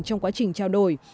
trong quá trình trao đổi